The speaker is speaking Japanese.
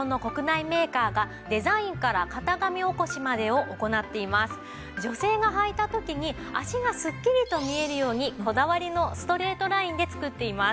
こちらは女性がはいた時に足がスッキリと見えるようにこだわりのストレートラインで作っています。